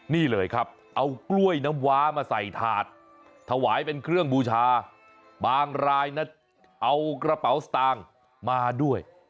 นี่เลยครับเอากล้วยน้ำว้ามาใส่ถาดถวายเป็นเครื่องบูชาบางรายนะเอากระเป๋าสตางค์มาด้วย